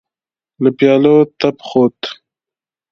له پيالو تپ خوت.